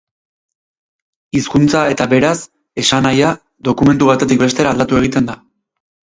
Hizkuntza eta beraz, esanahia, dokumentu batetik bestera aldatu egiten da.